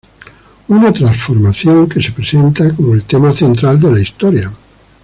Una transformación que se presenta como el tema central de la historia.